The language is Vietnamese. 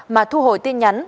mà thu hồi tin nhắn